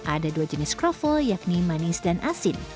ada dua jenis kroffel yakni manis dan asin